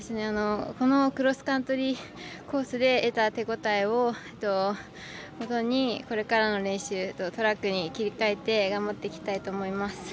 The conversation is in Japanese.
このクロスカントリーコースで得た手応えをこれからの練習トラックに切り替えて頑張っていきたいと思います。